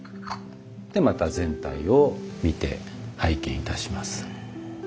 でまた全体を見て拝見いたします。